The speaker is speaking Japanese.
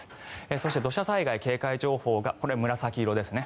そして土砂災害警戒情報が紫色ですね